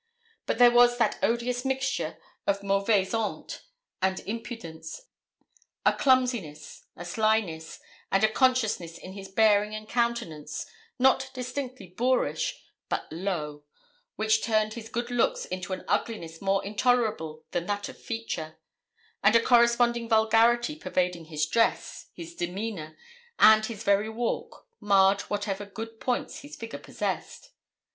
But there was that odious mixture of mauvaise honte and impudence, a clumsiness, a slyness, and a consciousness in his bearing and countenance, not distinctly boorish, but low, which turned his good looks into an ugliness more intolerable than that of feature; and a corresponding vulgarity pervading his dress, his demeanour, and his very walk, marred whatever good points his figure possessed.